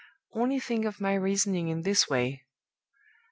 Only think of my reasoning in this way!